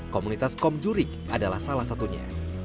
komunitas komjurik adalah salah satunya